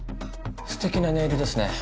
すてきなネイルですね。